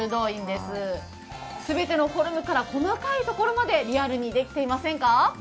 すべてのフォルムから細かいところまでリアルにできていませんか？